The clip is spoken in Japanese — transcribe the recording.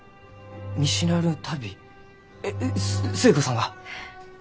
えっ寿恵子さんが？